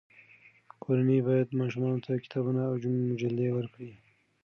کورنۍ باید ماشومانو ته کتابونه او مجلې ورکړي.